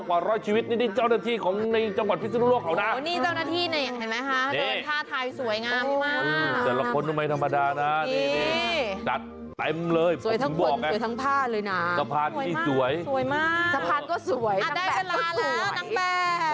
อาจได้เวลาแล้วนางแบบ